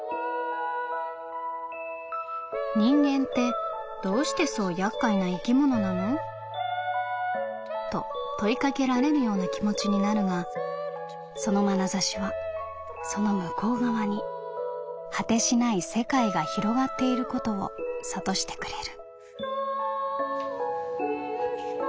「人間ってどうしてそう厄介な生き物なのと問いかけられるような気持ちになるがその眼差しはその向こう側に果てしない世界が広がっていることを諭してくれる」。